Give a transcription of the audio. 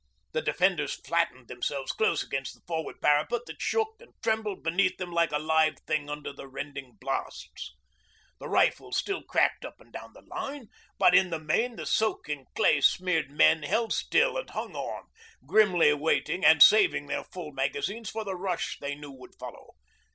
The defenders flattened themselves close against the forward parapet that shook and trembled beneath them like a live thing under the rending blasts. The rifles still cracked up and down the line; but, in the main, the soaking, clay smeared men held still and hung on, grimly waiting and saving their full magazines for the rush they knew would follow.